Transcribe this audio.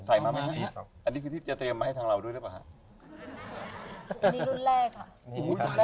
ใส่มาไหมฮะอันนี้คือที่จะเตรียมมาให้ทางเราด้วยหรือเปล่าฮะ